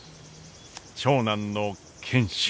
長男の賢秀。